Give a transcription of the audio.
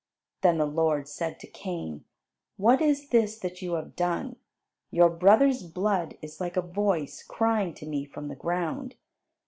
Then the Lord said to Cain, "What is this that you have done? Your brother's blood is like a voice crying to me from the ground.